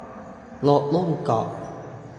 รถหุ้มเกราะ